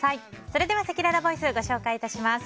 それではせきららボイスご紹介致します。